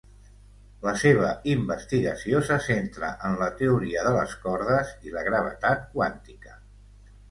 La seva investigació se centra en la teoria de les cordes i la gravetat quàntica.